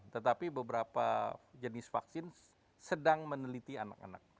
tetapi beberapa jenis vaksin sedang meneliti anak anak